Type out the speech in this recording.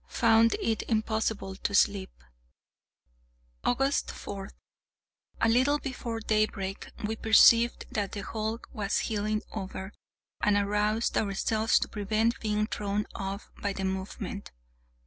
Found it impossible to sleep. August 4. A little before daybreak we perceived that the hulk was heeling over, and aroused ourselves to prevent being thrown off by the movement.